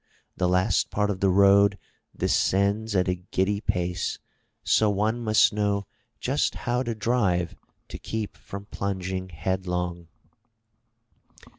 The last part of the road descends at a giddy pace so one must know just how to drive to keep from plimging head long."